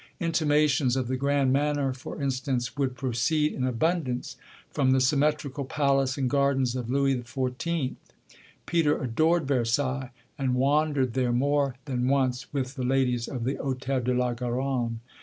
Intimations of the grand manner for instance would proceed in abundance from the symmetrical palace and gardens of Louis XIV. Peter "adored" Versailles and wandered there more than once with the ladies of the Hôtel de la Garonne.